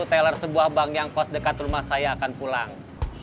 sepuluh hotel sebuah bank yang kos dekat rumah saya akan pulang